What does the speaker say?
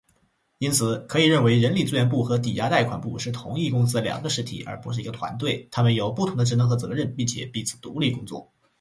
因此，可以认为人力资源部和抵押贷款部是同一公司的两个实体，而不是一个团队。它们有不同的职能和责任，并且彼此独立工作。